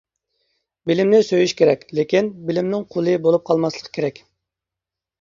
بىلىمنى سۆيۈش كېرەك، لېكىن بىلىمنىڭ قۇلى بولۇپ قالماسلىق كېرەك.